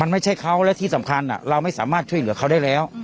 ไม่ใช่เขาและที่สำคัญเราไม่สามารถช่วยเหลือเขาได้แล้ว